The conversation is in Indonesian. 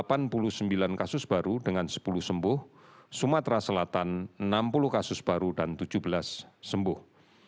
ada delapan puluh sembilan kasus baru dengan sepuluh sembuh sumatera selatan enam puluh kasus baru dan tujuh belas sembuh